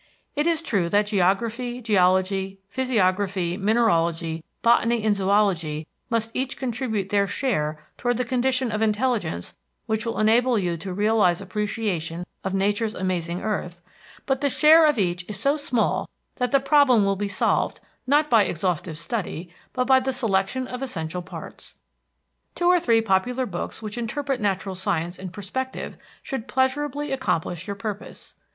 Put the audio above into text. It is true that geography, geology, physiography, mineralogy, botany and zoology must each contribute their share toward the condition of intelligence which will enable you to realize appreciation of Nature's amazing earth, but the share of each is so small that the problem will be solved, not by exhaustive study, but by the selection of essential parts. Two or three popular books which interpret natural science in perspective should pleasurably accomplish your purpose.